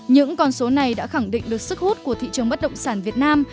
những con số này đã khẳng định được sức hút của thị trường bất động sản việt nam